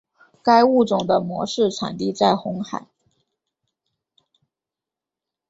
该物种的模式产地在红海。